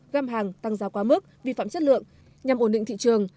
găm hàng tăng giá quá mức vi phạm chất lượng nhằm ổn định thị trường